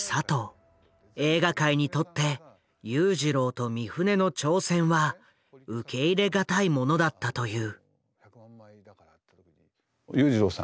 映画界にとって裕次郎と三船の挑戦は受け入れがたいものだったという。